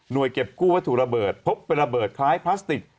โดยเก็บกู้วัตถุระเบิดพบเป็นระเบิดคล้ายพลาสติก